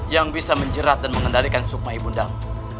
yang bisa menjerat dan mengendalikan sukma ibundam